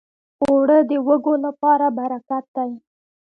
اوړه د وږو لپاره برکت دی